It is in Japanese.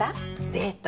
デート。